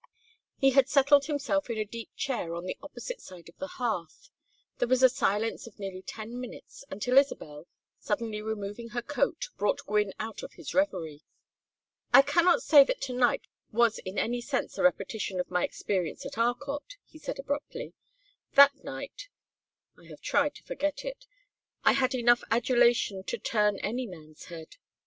He had settled himself in a deep chair on the opposite side of the hearth. There was a silence of nearly ten minutes, until Isabel, suddenly removing her coat, brought Gwynne out of his reverie. "I cannot say that to night was in any sense a repetition of my own experience at Arcot," he said, abruptly. "That night I have tried to forget it I had enough adulation to turn any man's head.